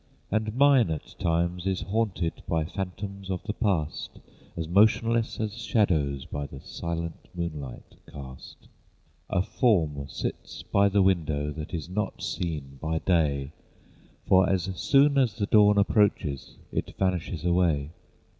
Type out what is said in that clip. And mine at times is haunted By phantoms of the Past As motionless as shadows By the silent moonlight cast. A form sits by the window, That is not seen by day, For as soon as the dawn approaches It vanishes away.